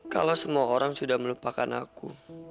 kalau semua orang sudah melupakan aku